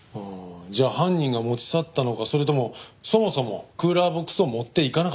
じゃあ犯人が持ち去ったのかそれともそもそもクーラーボックスを持っていかなかったのか。